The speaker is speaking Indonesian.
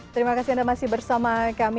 terima kasih anda masih bersama kami